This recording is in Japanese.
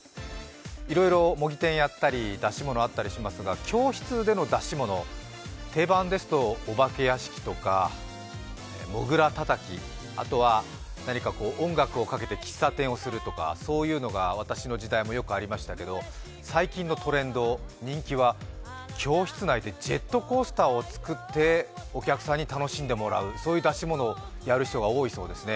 いろいろ模擬店やったり出し物あったりしますが、教室での出し物、定番ですとお化け屋敷とかもぐらたたき、あとは何か音楽をかけて喫茶店をするとかそういうのが私の時代はよくありましたけど最近のトレンド、人気は教室内でジェットコースターを作ってお客さんに楽しんでもらう、そういう出し物をやる人が多いみたいですね。